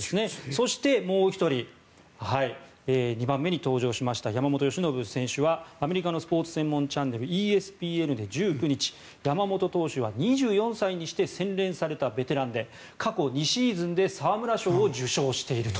そして、もう１人２番目に登場した山本由伸選手はアメリカのスポーツ専門チャンネルＥＳＰＮで１９日山本投手は２４歳にして洗練されたベテランで過去２シーズンで沢村賞を受賞していると。